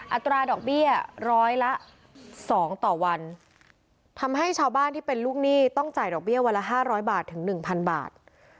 อัตราดอกเบี้ยร้อยละสองต่อวันทำให้ชาวบ้านที่เป็นลูกหนี้ต้องจ่ายดอกเบี้ยวันละห้าร้อยบาทถึงหนึ่งพันบาท